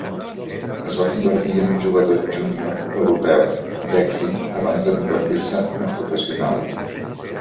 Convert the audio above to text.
Es va convertir en un jugador junior europeu d'èxit abans de convertir-se en professional.